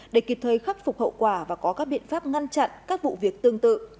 để kịp thời khắc phục hậu quả và có các biện pháp ngăn chặn các vụ việc tương tự